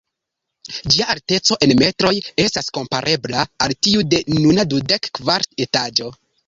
Ĝia alteco en metroj estas komparebla al tiu de nuna dudek kvara etaĝo.